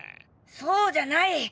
そうじゃないッ！